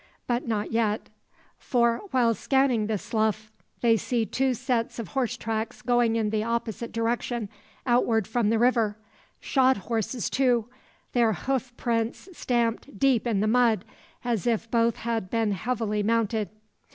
But not yet. For while scanning the slough they see two sets of horse tracks going in the opposite direction outward from the river. Shod horses, too; their hoof prints stamped deep in the mud, as if both had been heavily mounted.